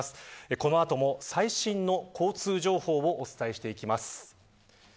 この後も最新の交通情報をお伝えしていきます。